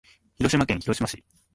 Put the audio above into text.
広島県広島市